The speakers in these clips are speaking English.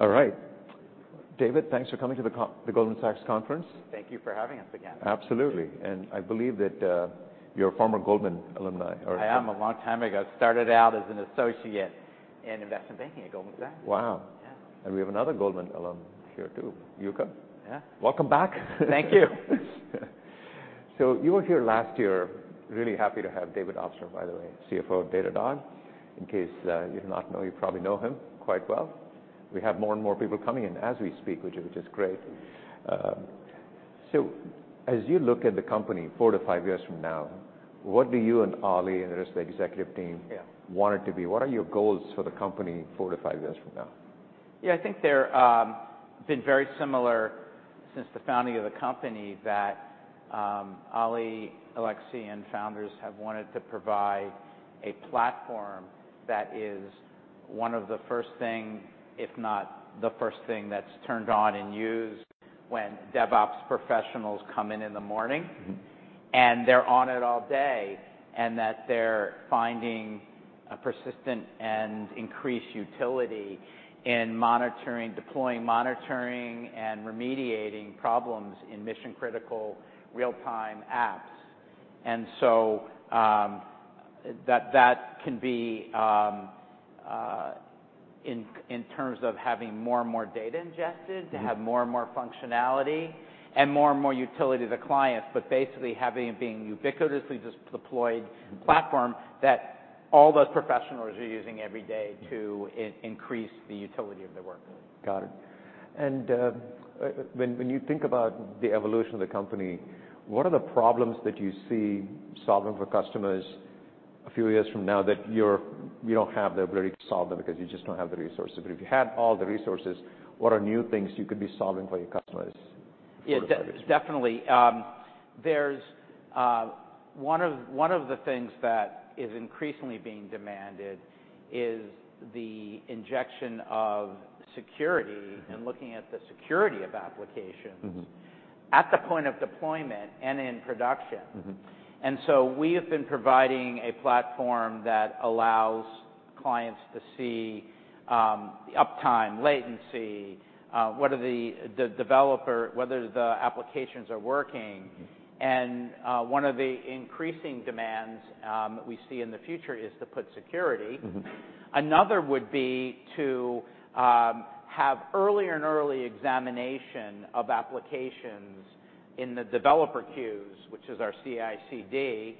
All right. David, thanks for coming to the con, the Goldman Sachs conference. Thank you for having us again. Absolutely. And I believe that, you're a former Goldman alumna, or- I am a long time ago. Started out as an associate in investment banking at Goldman Sachs. Wow! Yeah. We have another Goldman alum here, too. Yuka. Yeah. Welcome back. Thank you. So you were here last year. Really happy to have David Obstler, by the way, CFO of Datadog. In case you do not know, you probably know him quite well. We have more and more people coming in as we speak, which is, which is great. So as you look at the company 4-5 years from now, what do you and Ollie and the rest of the executive team want it to be? What are your goals for the company four to five years from now? Yeah, I think they're been very similar since the founding of the company, that Ollie, Alexis, and founders have wanted to provide a platform that is one of the first thing, if not the first thing, that's turned on and used when DevOps professionals come in in the morning. And they're on it all day, and that they're finding a persistent and increased utility in monitoring, deploying, monitoring, and remediating problems in mission-critical, real-time apps. And so, that can be in terms of having more and more data ingested to have more and more functionality and more and more utility to the clients, but basically having it being ubiquitously just deployed platform that all those professionals are using every day to increase the utility of their work. Got it. And when you think about the evolution of the company, what are the problems that you see solving for customers a few years from now, that you don't have the ability to solve them because you just don't have the resources? But if you had all the resources, what are new things you could be solving for your customers four to five years? Yeah, definitely. There's one of the things that is increasingly being demanded is the injection of security. Looking at the security of applications at the point of deployment and in production. We have been providing a platform that allows clients to see the uptime, latency, whether the applications are working. One of the increasing demands that we see in the future is to put security. Another would be to have earlier and early examination of applications in the developer queues, which is our CI/CD.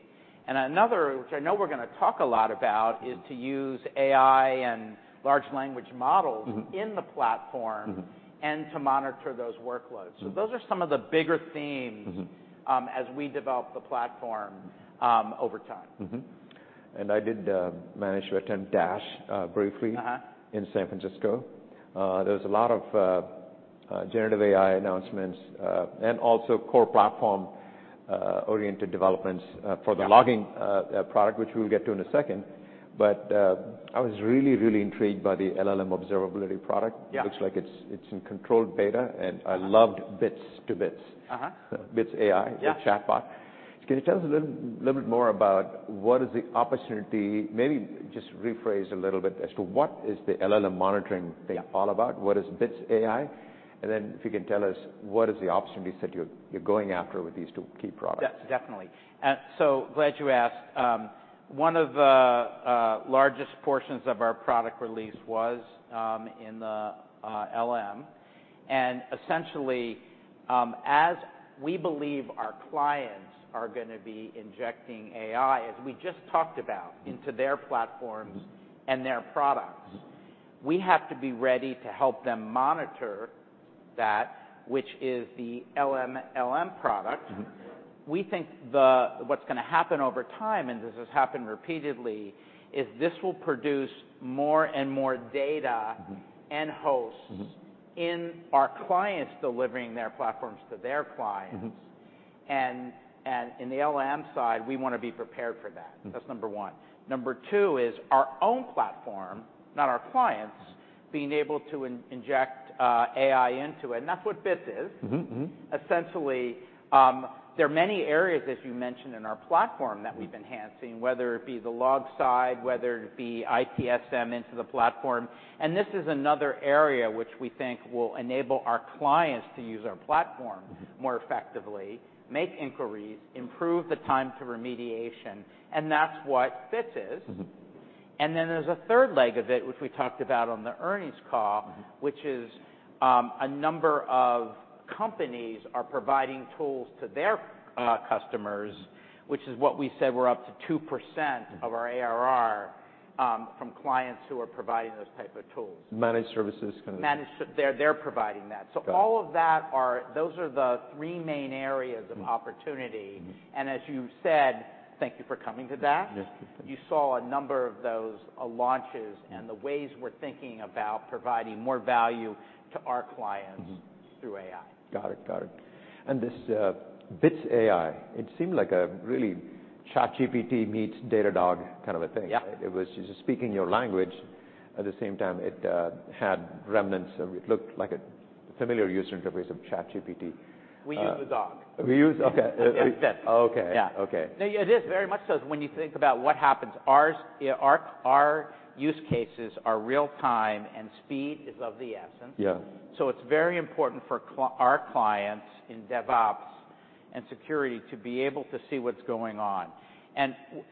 And another, which I know we're going to talk a lot about is to use AI and large language models in the platform and to monitor those workloads. So those are some of the bigger themes as we develop the platform, over time. I did manage to attend DASH briefly in San Francisco. There was a lot of generative AI announcements, and also core platform oriented developments for the logging product, which we'll get to in a second. But, I was really, really intrigued by the LLM Observability product. Yeah. It looks like it's in controlled beta, and I loved Bits AI. Bits AI, the chatbot. Can you tell us a little bit more about what is the opportunity? Maybe just rephrase a little bit as to what is the LLM monitoring thing all about? What is Bits AI? And then if you can tell us what is the opportunities that you're going after with these two key products. Definitely. So glad you asked. One of the largest portions of our product release was in the LLM. And essentially, as we believe our clients are going to be injecting AI, as we just talked about into their platforms and their products. We have to be ready to help them monitor that, which is the LLM product. We think what's going to happen over time, and this has happened repeatedly, is this will produce more and more data and hosts in our clients delivering their platforms to their clients. And in the LLM side, we want to be prepared for that. That's number one. Number two is our own platform, not our clients' being able to inject AI into it, and that's what Bits is. Essentially, there are many areas, as you mentioned, in our platform that we're enhancing, whether it be the log side, whether it be ITSM into the platform. And this is another area which we think will enable our clients to use our platform more effectively, make inquiries, improve the time to remediation, and that's what Bits is. And then there's a third leg of it, which we talked about on the earnings call which is, a number of companies are providing tools to their customers, which is what we said we're up to 2% of our ARR, from clients who are providing those type of tools. Managed services kind of? They're providing that. Got it. So, those are the three main areas of opportunity. As you said, thank you for coming to that. Yes. You saw a number of those launches and the ways we're thinking about providing more value to our clients through AI. Got it. Got it. And this, Bits AI, it seemed like a really ChatGPT meets Datadog kind of a thing. Yeah. It was just speaking your language, at the same time, it had remnants of... It looked like a familiar user interface of ChatGPT. We use the dog. We use, okay. It fits. Okay. Yeah. Okay. No, it is very much so when you think about what happens. Our use cases are real time, and speed is of the essence. Yeah. So it's very important for our clients in DevOps and security to be able to see what's going on.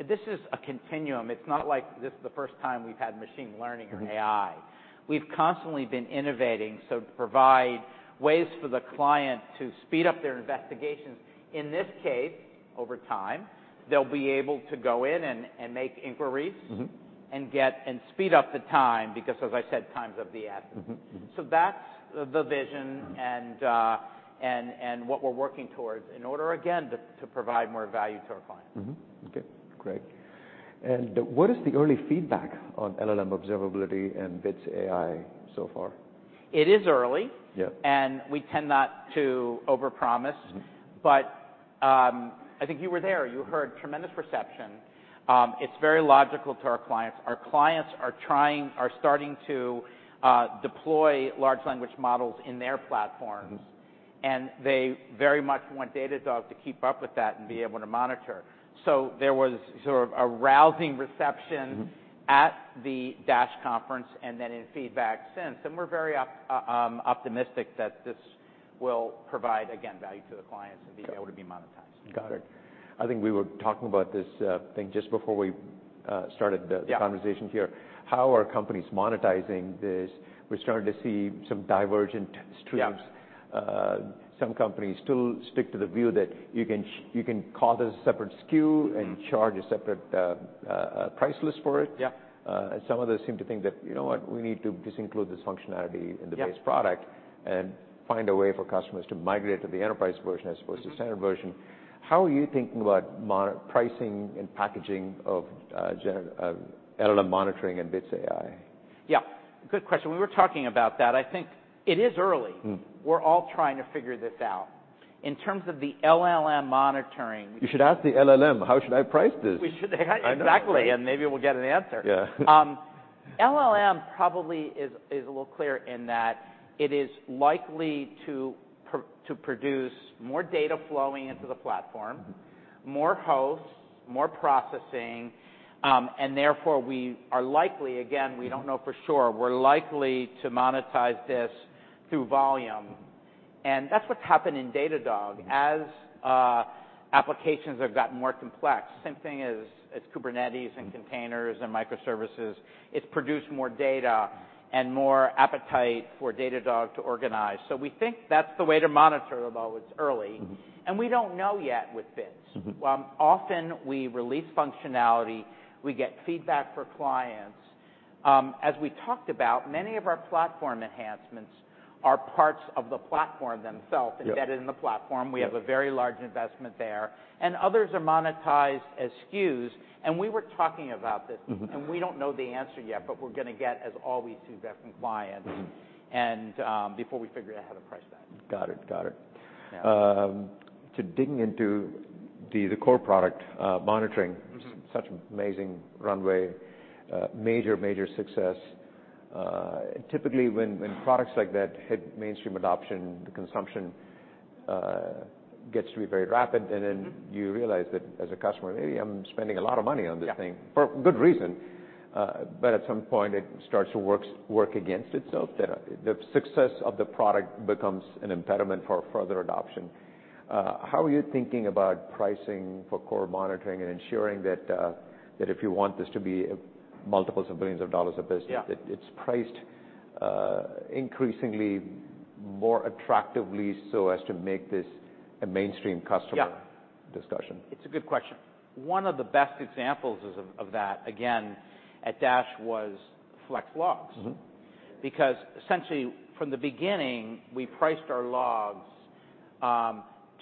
This is a continuum. It's not like this is the first time we've had machine learning or AI. We've constantly been innovating, so to provide ways for the client to speed up their investigations. In this case, over time, they'll be able to go in and, and make inquiries and get and speed up the time, because as I said, time is of the essence. So that's the vision and what we're working towards in order, again, to provide more value to our clients. Okay, great. And what is the early feedback on LLM Observability and Bits AI so far? It is early. Yeah. We tend not to overpromise. But, I think you were there, you heard tremendous reception. It's very logical to our clients. Our clients are starting to deploy large language models in their platforms and they very much want Datadog to keep up with that and be able to monitor. So there was sort of a rousing reception at the DASH conference, and then in feedback since. And we're very optimistic that this will provide, again, value to the clients and be able to be monetized. Got it. I think we were talking about this thing just before we started the conversation here. How are companies monetizing this? We're starting to see some divergent streams. Some companies still stick to the view that you can call this a separate SKU and charge a separate price list for it. Yeah. Some of them seem to think that, "You know what? We need to just include this functionality in the base product, and find a way for customers to migrate to the enterprise version as opposed to standard version." How are you thinking about pricing and packaging of LLM monitoring and Bits AI? Yeah, good question. We were talking about that. I think it is early. We're all trying to figure this out. In terms of the LLM monitoring- You should ask the LLM, "How should I price this? We should I know. Exactly, and maybe we'll get an answer. Yeah. LLM probably is a little clearer in that it is likely to produce more data flowing into the platform, more hosts, more processing. And therefore, we are likely, again, we don't know for sure, we're likely to monetize this through volume. And that's what's happened in Datadog. As applications have gotten more complex, same thing as Kubernetes and containers and microservices, it's produced more data and more appetite for Datadog to organize. So we think that's the way to monitor, although it's early. We don't know yet with Bits. Often, we release functionality, we get feedback for clients. As we talked about, many of our platform enhancements are parts of the platform themselves embedded in the platform. We have a very large investment there. Others are monetized as SKUs. We were talking about this and we don't know the answer yet, but we're gonna get, as always, feedback from clients and, before we figure out how to price that. Got it. Got it. Yeah. Digging into the core product, monitoring such amazing runway, major, major success. Typically, when, when products like that hit mainstream adoption, the consumption, gets to be very rapid, and then you realize that as a customer, "Maybe I'm spending a lot of money on this thing for good reason." But at some point, it starts to work against itself. The success of the product becomes an impediment for further adoption. How are you thinking about pricing for core monitoring and ensuring that if you want this to be multiples of $ billions of business it, it's priced, increasingly more attractively so as to make this a mainstream customer discussion? It's a good question. One of the best examples is of that, again, at DASH, was Flex Logs. Because essentially, from the beginning, we priced our logs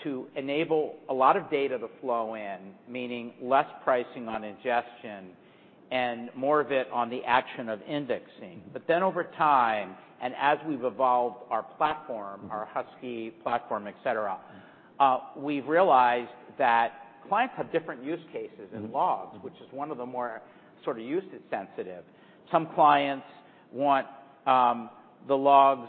to enable a lot of data to flow in, meaning less pricing on ingestion, and more of it on the action of indexing. But then over time, and as we've evolved our platform our Husky platform, et cetera, we've realized that clients have different use cases in logs which is one of the more sort of usage sensitive. Some clients want the logs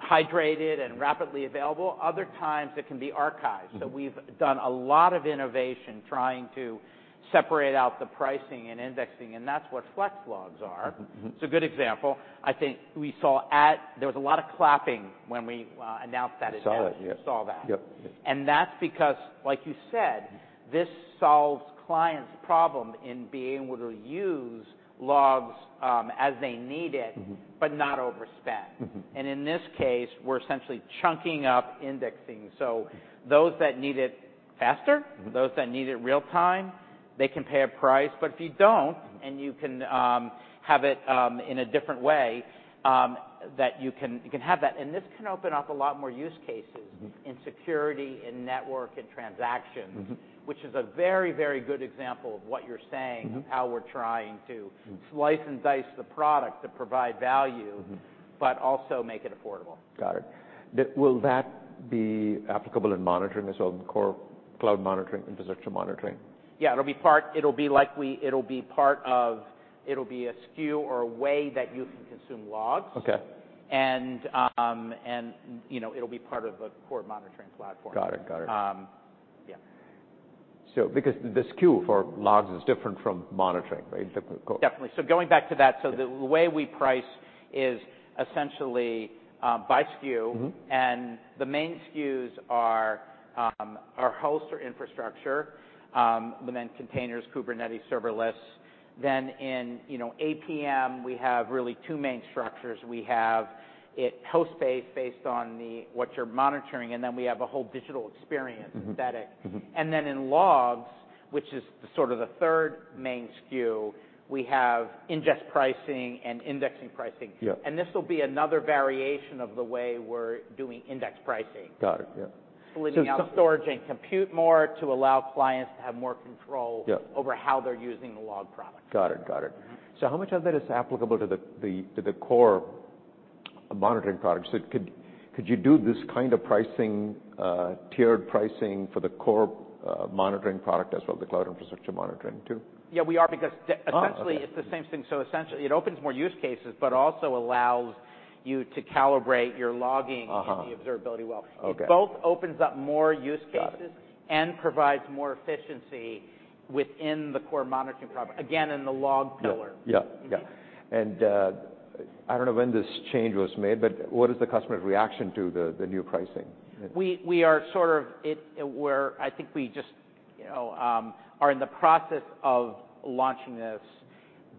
hydrated and rapidly available. Other times, it can be archived. So we've done a lot of innovation trying to separate out the pricing and indexing, and that's what Flex Logs are. It's a good example. I think we saw at, there was a lot of clapping when we announced that at DASH. We saw that, yeah. You saw that? Yep. That's because, like you said this solves clients' problem in being able to use logs, as they need it but not overspend. In this case, we're essentially chunking up indexing. Those that need it faster those that need it real time, they can pay a price. But if you don't and you can, have it, in a different way, that you can, you can have that. And this can open up a lot more use cases in security, in network, in transactions. Which is a very, very good example of what you're saying of how we're trying to slice and dice the product to provide value but also make it affordable. Got it. Will that be applicable in monitoring as well, the core cloud monitoring and physical monitoring? Yeah, it'll be likely part of it'll be a SKU or a way that you can consume logs. Okay. And, you know, it'll be part of the core monitoring platform. Got it. Got it. Um, yeah. Because the SKU for logs is different from monitoring, right? Definitely. So going back to that, the way we price is essentially by SKU. The main SKUs are our host or infrastructure, and then containers, Kubernetes, serverless. Then in, you know, APM, we have really two main structures. We have it host-based, based on the what you're monitoring, and then we have a whole Digital Experience Synthetics. And then in logs, which is sort of the third main SKU, we have ingest pricing and indexing pricing. Yeah. This will be another variation of the way we're doing index pricing. Got it. Yeah. Splitting up storage and compute more to allow clients to have more control over how they're using the log product. Got it. Got it. So how much of that is applicable to the core monitoring product? So could you do this kind of pricing, tiered pricing for the core monitoring product as well, the Cloud Infrastructure Monitoring, too? Yeah, we are, because, essentially, it's the same thing. So essentially, it opens more use cases, but also allows you to calibrate your logging and the observability well. Okay. It both opens up more use cases and provides more efficiency within the core monitoring product. Again, in the log pillar. Yeah. Yeah. Yeah. I don't know when this change was made, but what is the customer's reaction to the new pricing? We are sort of it. I think we just, you know, are in the process of launching this,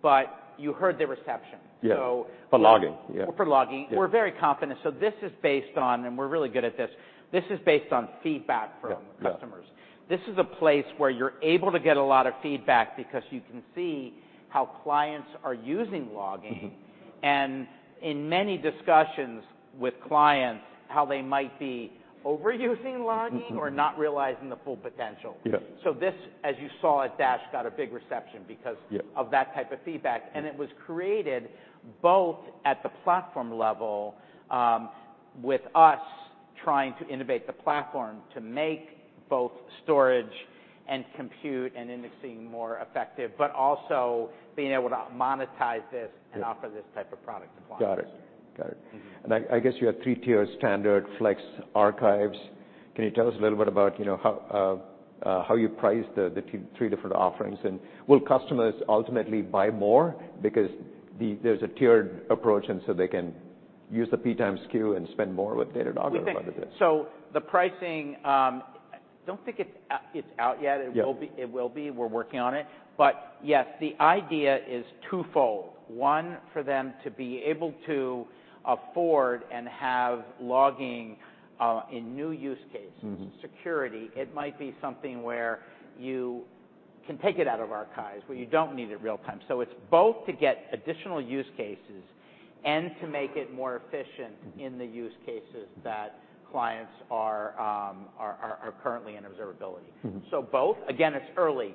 but you heard the reception. Yeah. So- For logging, yeah. For logging. Yeah. We're very confident. So this is based on... And we're really good at this. This is based on feedback from customers. This is a place where you're able to get a lot of feedback because you can see how clients are using logging. In many discussions with clients, how they might be overusing logging or not realizing the full potential. Yeah. So this, as you saw at DASH, got a big reception because of that type of feedback, and it was created both at the platform level, with us trying to innovate the platform to make both storage and compute and indexing more effective, but also being able to monetize this and offer this type of product to clients. Got it. Got it. I guess you have three tiers: standard, flex, archives. Can you tell us a little bit about, you know, how how you price the three different offerings? And will customers ultimately buy more because there's a tiered approach, and so they can use the P times Q and spend more with Datadog than they did? The pricing, I don't think it's out yet. It will be. We're working on it. But yes, the idea is twofold, one, for them to be able to afford and have logging, in new use cases. Security, it might be something where you can take it out of archives, where you don't need it real-time. So it's both to get additional use cases and to make it more efficient in the use cases that clients are currently in observability. So both, again, it's early.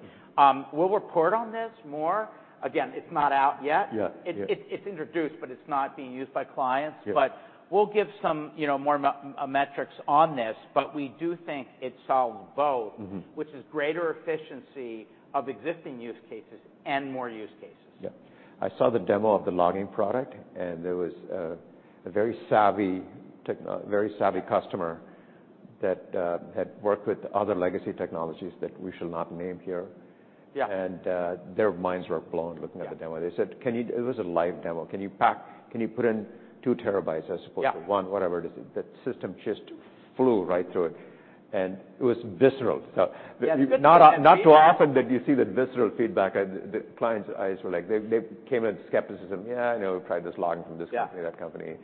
We'll report on this more. Again, it's not out yet. Yeah. Yeah. It's introduced, but it's not being used by clients. But we'll give some, you know, more metrics on this, but we do think it solves both which is greater efficiency of existing use cases and more use cases. Yeah. I saw the demo of the logging product, and there was a very savvy customer that had worked with other legacy technologies that we shall not name here. Their minds were blown looking at the demo. They said, "Can you..." It was a live demo. "Can you pack, can you put in 2 TB as opposed to 1 TB? Whatever it is. The system just flew right through it, and it was visceral. So not, not too often that you see the visceral feedback. And the clients' eyes were like, they, they came in skepticism. "Yeah, I know, we've tried this logging from this company to that company.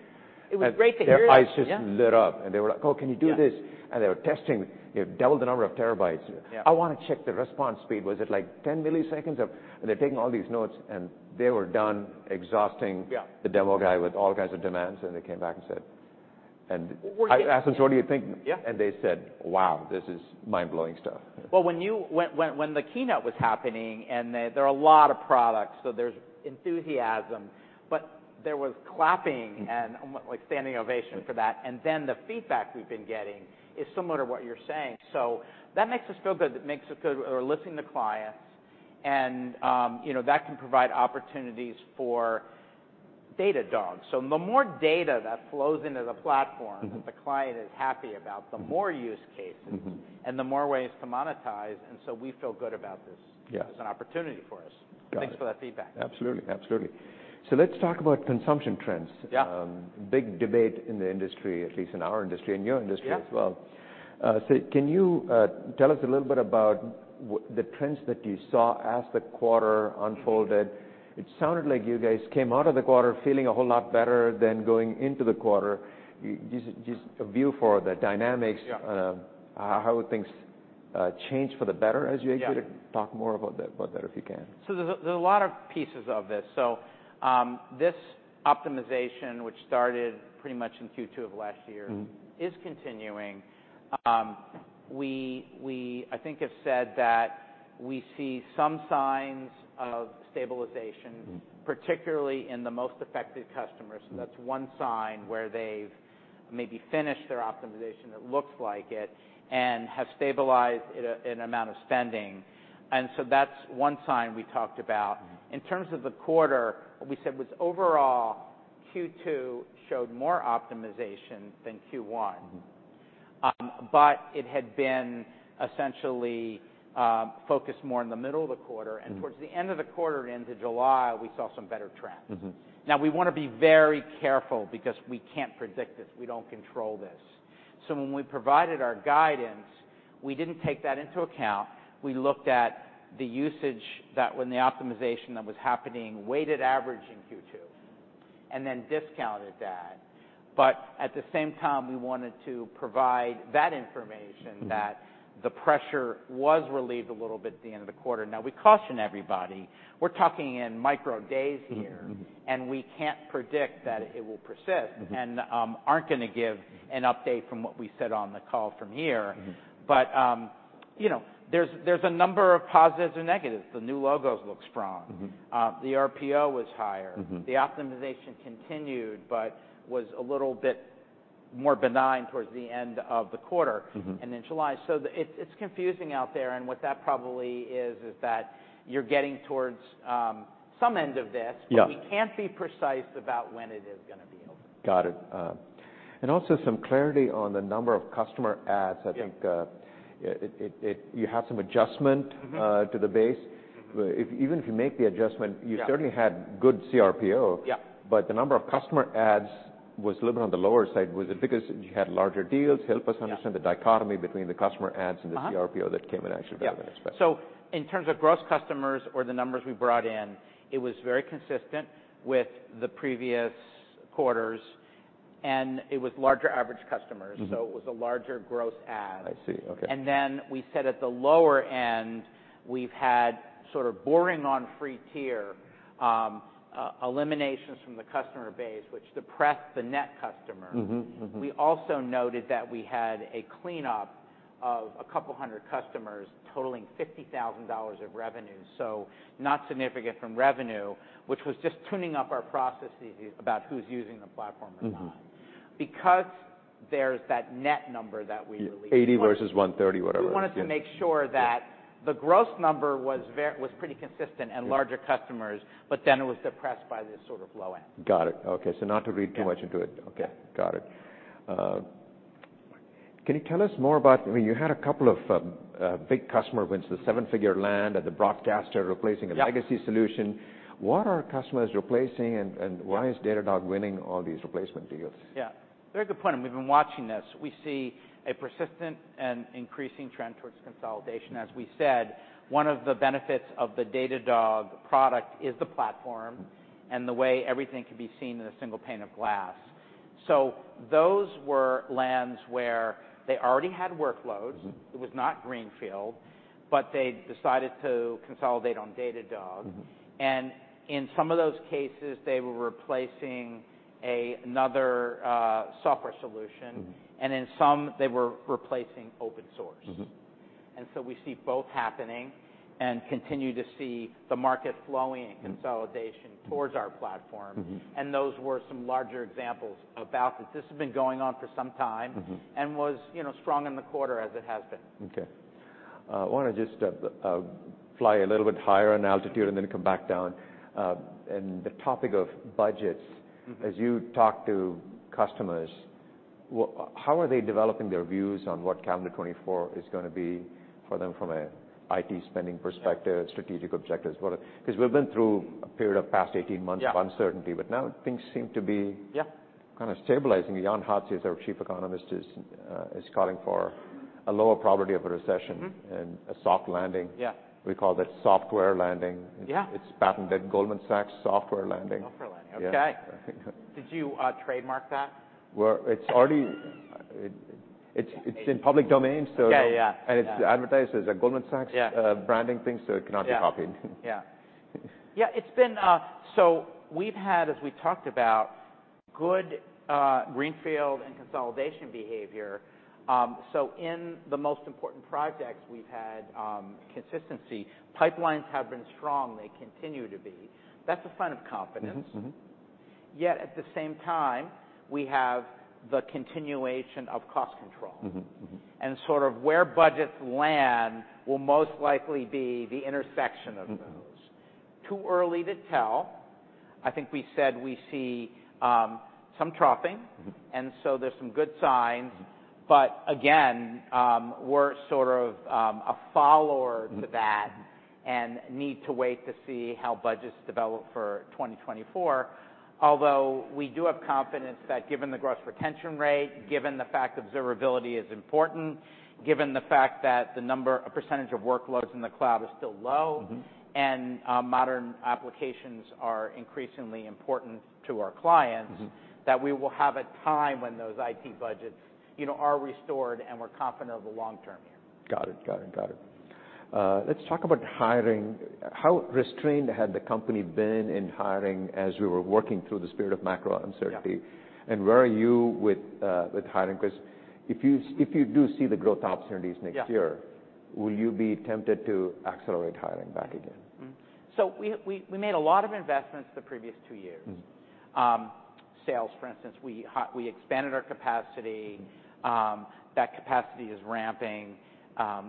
It was great to hear that. Their eyes just lit up, and they were like: "Oh, can you do this? They were testing, you know, double the number of terabytes. I want to check the response speed. Was it like 10 ms of..." And they're taking all these notes, and they were done exhausting the demo guy with all kinds of demands. They came back and said I asked them, "So what do you think? They said, "Wow, this is mind-blowing stuff. Well, when the keynote was happening, and there are a lot of products, so there's enthusiasm. But there was clapping and, like, standing ovation for that. And then the feedback we've been getting is similar to what you're saying. So that makes us feel good. That makes us feel we're listening to clients and, you know, that can provide opportunities for Datadog. So the more data that flows into the platform that the client is happy about, the more use cases, the more ways to monetize, and so we feel good about this. Yeah. It's an opportunity for us. Got it. Thanks for that feedback. Absolutely. Absolutely. So let's talk about consumption trends. Yeah. Big debate in the industry, at least in our industry, in your industry as well. So can you tell us a little bit about the trends that you saw as the quarter unfolded? It sounded like you guys came out of the quarter feeling a whole lot better than going into the quarter. Just a view for the dynamics how things changed for the better as you talk more about that, about that, if you can. There's a lot of pieces of this. So, this optimization, which started pretty much in Q2 of last year.- is continuing. We, I think, have said that we see some signs of stabilization particularly in the most affected customers. That's one sign where they've maybe finished their optimization, it looks like it, and have stabilized in amount of spending. So that's one sign we talked about. In terms of the quarter, what we said was, overall, Q2 showed more optimization than Q1. But it had been essentially focused more in the middle of the quarter. Towards the end of the quarter, into July, we saw some better trends. Now, we want to be very careful because we can't predict this. We don't control this. So when we provided our guidance, we didn't take that into account. We looked at the usage that when the optimization that was happening, weighted average in Q2, and then discounted that. But at the same time, we wanted to provide that information that the pressure was relieved a little bit at the end of the quarter. Now, we caution everybody, we're talking in micro days here and we can't predict that it will persist. And aren't gonna give an update from what we said on the call from here. You know, there's a number of positives and negatives. The new logos look strong. The RPO was higher. The optimization continued, but was a little bit more benign towards the end of the quarter and in July. So the, it's, it's confusing out there, and what that probably is, is that you're getting towards, some end of this but we can't be precise about when it is gonna be over. Got it. And also some clarity on the number of customer adds. I think, you had some adjustment to the base. If, even if you make the adjustment you certainly had good CRPO. But the number of customer adds was a little bit on the lower side. Was it because you had larger deals? Help us understand the dichotomy between the customer adds and the cRPO that came in actually better than expected. Yeah. So in terms of gross customers or the numbers we brought in, it was very consistent with the previous quarters, and it was larger average customers. It was a larger gross add. I see. Okay. Then we said at the lower end, we've had sort of churn on free tier eliminations from the customer base, which depressed the net customer. We also noted that we had a cleanup of 200 customers, totaling $50,000 of revenue, so not significant from revenue, which was just tuning up our processes about who's using the platform or not. Because there's that net number that we released 80 versus 130, whatever. Yeah. We wanted to make sure that the gross number was pretty consistent and larger customers, but then it was depressed by the sort of low end. Got it. Okay. So not to read too much into it. Okay. Got it. Can you tell us more about, I mean, you had a couple of big customer wins, the seven-figure land and the broadcaster replacing a legacy solution. What are customers replacing, and why is Datadog winning all these replacement deals? Yeah. Very good point, and we've been watching this. We see a persistent and increasing trend towards consolidation. As we said, one of the benefits of the Datadog product is the platform, and the way everything can be seen in a single pane of glass. So those were lands where they already had workloads. It was not greenfield, but they decided to consolidate on Datadog. In some of those cases, they were replacing another software solution and in some, they were replacing open source. And so we see both happening, and continue to see the market flowing consolidation towards our platform. Those were some larger examples about that this has been going on for some time was, you know, strong in the quarter as it has been. Okay. I want to just fly a little bit higher in altitude and then come back down. And the topic of budgets. As you talk to customers, how are they developing their views on what calendar 2024 is gonna be for them from a IT spending perspective strategic objectives? What, because we've been through a period of past 18 months of uncertainty, but now things seem to be kind of stabilizing. Jan Hatzius, our Chief Economist, is calling for a lower probability of a recession and a soft landing. We call that software landing. It's patented, Goldman Sachs software landing. Software landing. Yeah. Okay. Did you trademark that? Well, it's already... It's, it's in public domain, so Okay. Yeah. It's advertised as a Goldman Sachs branding thing, so it cannot be copied. Yeah. Yeah. Yeah, it's been. So we've had, as we talked about, good greenfield and consolidation behavior. So in the most important projects, we've had consistency. Pipelines have been strong, they continue to be. That's a sign of confidence. Yet, at the same time, we have the continuation of cost control. Sort of where budgets land, will most likely be the intersection of those. Too early to tell. I think we said we see some troughing and so there's some good signs, but again, we're sort of, a follower to that and need to wait to see how budgets develop for 2024. Although, we do have confidence that given the gross retention rate, given the fact observability is important, given the fact that the number, a percentage of workloads in the cloud is still low and, modern applications are increasingly important to our clients that we will have a time when those IT budgets, you know, are restored, and we're confident of the long term here. Got it. Got it. Got it. Let's talk about hiring. How restrained had the company been in hiring as we were working through this period of macro uncertainty? Where are you with, with hiring? 'Cause if you, if you do see the growth opportunities next year, will you be tempted to accelerate hiring back again? So we made a lot of investments the previous two years. Sales, for instance, we expanded our capacity. That capacity is ramping.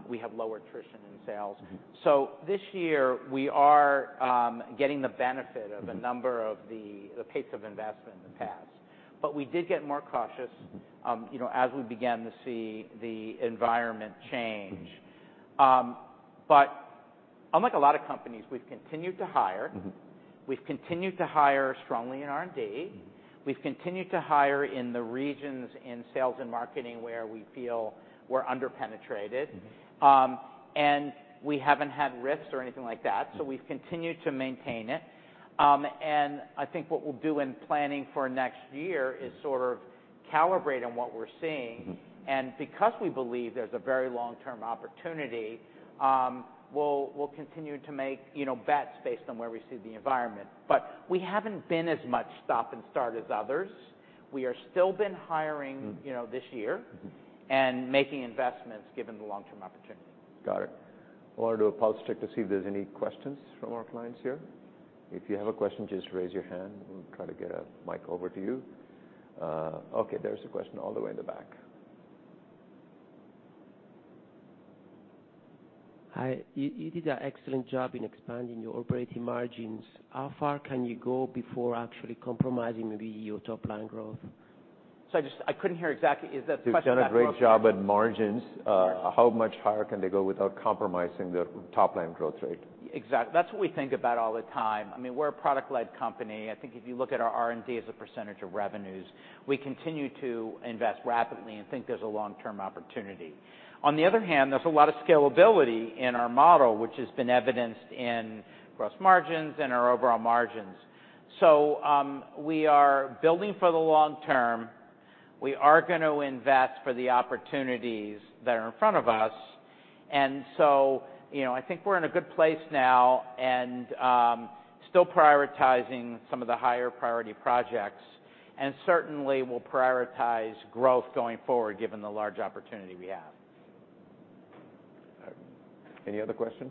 We have lower attrition in sales. So this year, we are getting the benefit of a number of the pace of investment in the past. But we did get more cautious, you know, as we began to see the environment change. But unlike a lot of companies, we've continued to hire. We've continued to hire strongly in R&D. We've continued to hire in the regions in sales and marketing where we feel we're under-penetrated. And we haven't had RIFs or anything like that. We've continued to maintain it. I think what we'll do in planning for next year is sort of calibrate on what we're seeing. Because we believe there's a very long-term opportunity, we'll continue to make, you know, bets based on where we see the environment. But we haven't been as much stop and start as others. We are still been hiring you know, this year and making investments, given the long-term opportunity. Got it. I wanna do a pulse check to see if there's any questions from our clients here. If you have a question, just raise your hand, and we'll try to get a mic over to you. Okay, there's a question all the way in the back. Hi. You did an excellent job in expanding your operating margins. How far can you go before actually compromising maybe your top line growth? I couldn't hear exactly. Is that question about? You've done a great job at margins. How much higher can they go without compromising the top line growth rate? Exactly. That's what we think about all the time. I mean, we're a product-led company. I think if you look at our R&D as a percentage of revenues, we continue to invest rapidly and think there's a long-term opportunity. On the other hand, there's a lot of scalability in our model, which has been evidenced in gross margins and our overall margins. So, we are building for the long term. We are gonna invest for the opportunities that are in front of us, and so, you know, I think we're in a good place now and, still prioritizing some of the higher priority projects, and certainly, we'll prioritize growth going forward, given the large opportunity we have. All right. Any other question?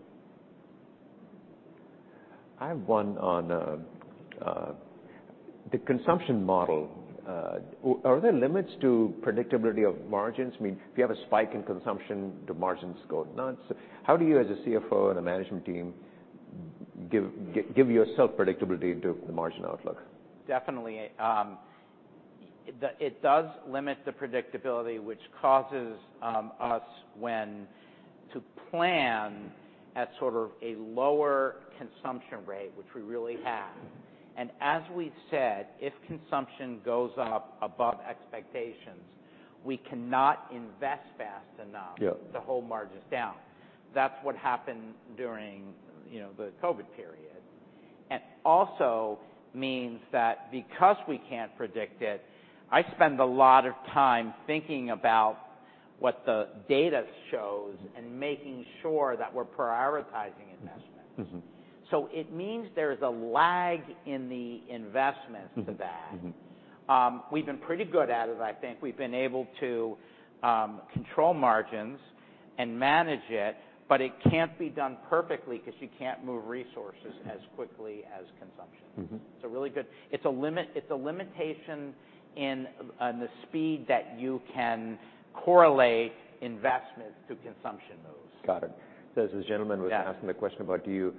I have one on the consumption model. Are there limits to predictability of margins? I mean, if you have a spike in consumption, do margins go nuts? How do you, as a CFO and a management team, give yourself predictability into the margin outlook? Definitely. It does limit the predictability, which causes us when to plan at sort of a lower consumption rate, which we really have. As we've said, if consumption goes up above expectations, we cannot invest fast enough to hold margins down. That's what happened during, you know, the COVID period. And also means that because we can't predict it, I spend a lot of time thinking about what the data shows and making sure that we're prioritizing investment. It means there's a lag in the investments to that. We've been pretty good at it, I think. We've been able to control margins and manage it, but it can't be done perfectly 'cause you can't move resources as quickly as consumption. It's a really good, it's a limitation in, on the speed that you can correlate investment to consumption moves. Got it. So as the gentleman was asking the question about, do you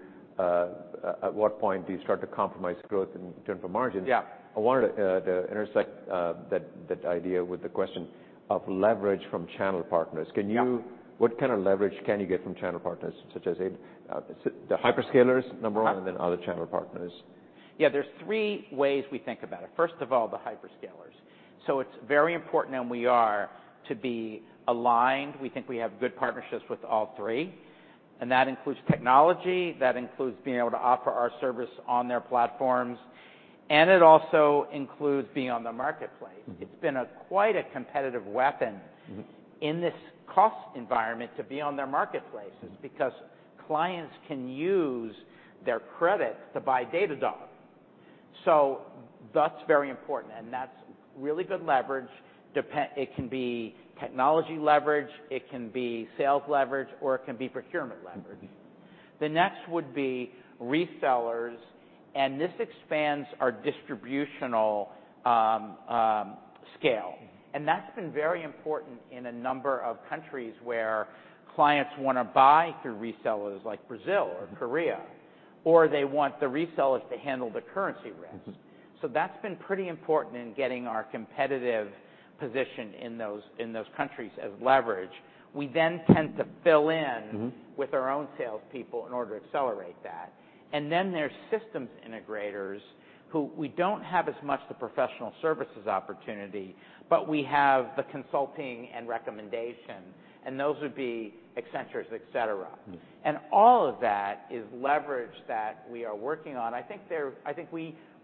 at what point do you start to compromise growth in terms of margins? I wanted to intersect that idea with the question of leverage from channel partners. What kind of leverage can you get from channel partners, such as the hyperscalers, number one and then other channel partners? Yeah, there's three ways we think about it. First of all, the hyperscalers. So it's very important, and we are to be aligned. We think we have good partnerships with all three, and that includes technology, that includes being able to offer our service on their platforms, and it also includes being on the marketplace. It's been quite a competitive weapon in this cost environment to be on their marketplaces because clients can use their credit to buy Datadog. So that's very important, and that's really good leverage. It can be technology leverage, it can be sales leverage, or it can be procurement leverage. The next would be resellers, and this expands our distributional scale. That's been very important in a number of countries where clients wanna buy through resellers, like Brazil or Korea or they want the resellers to handle the currency risk. So that's been pretty important in getting our competitive position in those, in those countries as leverage. We then tend to fill in with our own salespeople in order to accelerate that. And then there's systems integrators who we don't have as much the professional services opportunity, but we have the consulting and recommendation, and those would be Accenture, et cetera. All of that is leverage that we are working on. I think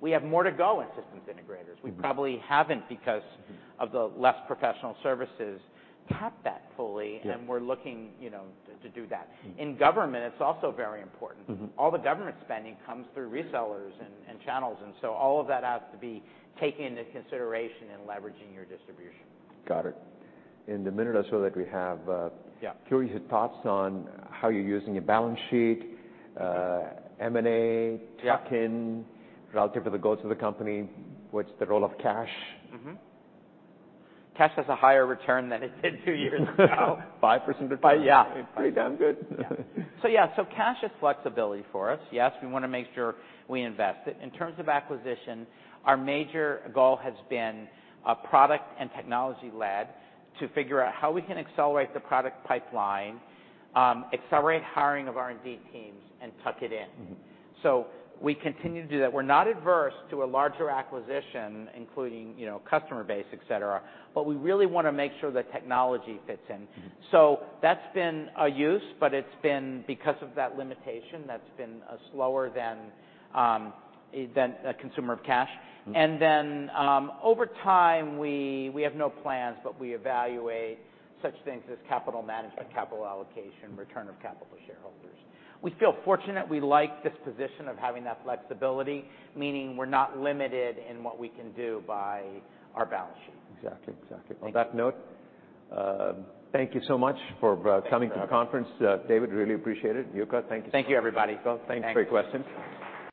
we have more to go in systems integrators. We probably haven't because of the less professional services tapped that fully and we're looking, you know, to do that. In government, it's also very important. All the government spending comes through resellers and channels, and so all of that has to be taken into consideration in leveraging your distribution. Got it. In the minute or so that we have curious your thoughts on how you're using your balance sheet, M&A, tuck in relative to the goals of the company. What's the role of cash? Cash has a higher return than it did two years ago. 5% return. Yeah. Pretty damn good. So yeah, so cash is flexibility for us. Yes, we wanna make sure we invest it. In terms of acquisition, our major goal has been, product and technology led, to figure out how we can accelerate the product pipeline, accelerate hiring of R&D teams, and tuck it in. So we continue to do that. We're not adverse to a larger acquisition, including, you know, customer base, et cetera, but we really wanna make sure the technology fits in. That's been a use, but it's been because of that limitation slower than a consumer of cash. Over time, we have no plans, but we evaluate such things as capital management, capital allocation, return of capital to shareholders. We feel fortunate. We like this position of having that flexibility, meaning we're not limited in what we can do by our balance sheet. Exactly. Exactly. Thank you. On that note, thank you so much for coming to the conference. David, really appreciate it. Yuka, thank you. Thank you, everybody. Folks, thanks for your questions.